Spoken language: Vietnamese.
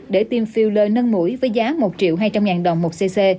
để tiêm filler nâng mũi với giá một triệu hai trăm linh ngàn đồng một cc